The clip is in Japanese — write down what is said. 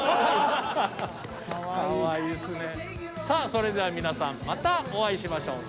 さあそれでは皆さんまたお会いしましょう。